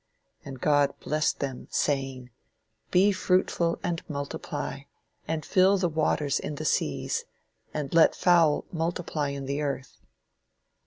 And God blessed them, saying, Be fruitful and multiply and fill the waters in the seas, and let fowl multiply in the earth."